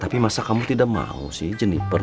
tapi apakah kamu tidak mau menjadi guru